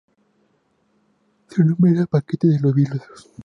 Su nombre era "Paquete de Los Vilos".